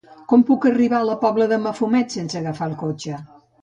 Com puc arribar a la Pobla de Mafumet sense agafar el cotxe?